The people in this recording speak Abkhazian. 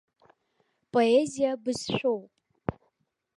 Поезиа бызшәоуп.